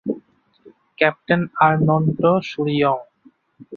Captain আর্নন্ট সুরিওং।